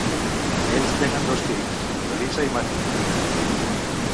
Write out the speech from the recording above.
Ells tenen dos fills, Eliza i Matthew.